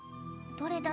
どれだ？